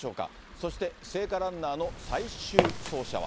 そして聖火ランナーの最終走者は。